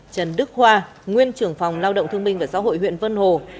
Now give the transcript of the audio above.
trần đức hoa nguyên trưởng phòng lao động thương minh và xã hội huyện vân hồ